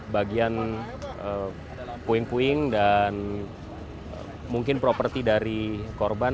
bagian puing puing dan mungkin properti dari korban